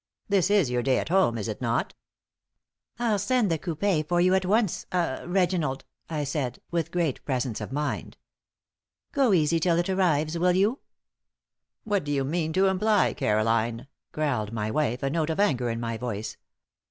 This is your day at home, is it not?" "I'll send the coupé for you at once ah Reginald," I said, with great presence of mind. "Go easy till it arrives, will you?" "What do you mean to imply, Caroline?" growled my wife, a note of anger in my voice.